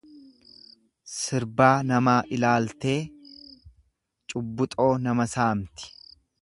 Sarbaa namaa ilaaltee cubbuxoo nama saamti.